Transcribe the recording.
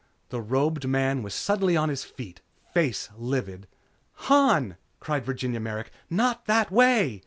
_" The robed man was suddenly on his feet, face livid. "Han!" cried Virginia Merrick, "Not that way!"